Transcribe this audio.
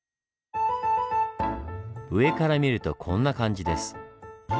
上から見るとこんな感じです。